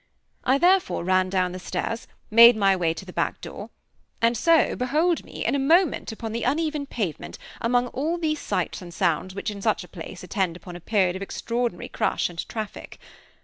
I therefore ran down the stairs, made my way to the back door; and so, behold me, in a moment, upon the uneven pavement, among all these sights and sounds which in such a place attend upon a period of extraordinary crush and traffic.